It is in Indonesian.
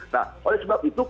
nah oleh sebab itu